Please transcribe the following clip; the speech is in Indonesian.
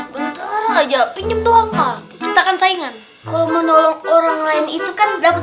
bintang saja pinjam doang kita kan saingan kalau menolong orang lain itu kan dapat